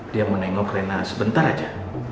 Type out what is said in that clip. dia menengok rena sebentar aja